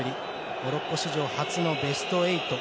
モロッコ史上初のベスト８。